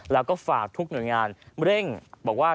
แล้วก็ฝากทุกหน่วยงานเร่งบอกว่า